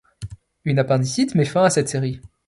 Une appendicite met fin à cette série.